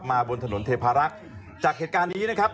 บนถนนเทพารักษ์จากเหตุการณ์นี้นะครับ